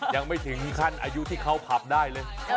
ยังไม่ถึงขั้นอายุที่เข้าผับได้เลย